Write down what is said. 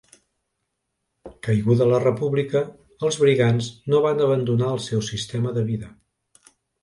Caiguda la República, els brigants no van abandonar el seu sistema de vida.